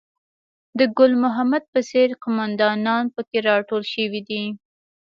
د ګل محمد په څېر قوماندانان په کې راټول شوي دي.